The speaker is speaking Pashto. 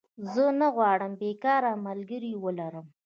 زه نه غواړم بيکاره ملګری ولرم